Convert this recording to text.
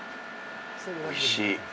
おいしい。